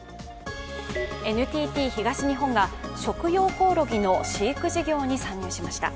ＮＴＴ東日本が食用コオロギの飼育事業に参入しました。